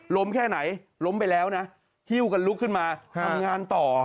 แค่ไหนล้มไปแล้วนะหิ้วกันลุกขึ้นมาทำงานต่อ